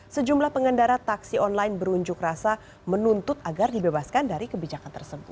sejumlah pengendara taksi online berunjuk rasa menuntut agar dibebaskan dari kebijakan tersebut